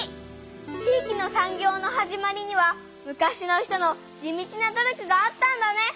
地域の産業の始まりには昔の人の地道な努力があったんだね！